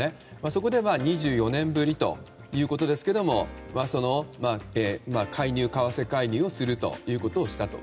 そこで２４年ぶりということですが為替介入するということをしたと。